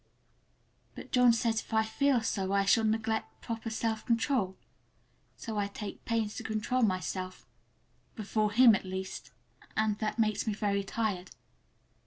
But John says if I feel so I shall neglect proper self control; so I take pains to control myself,—before him, at least,—and that makes me very tired.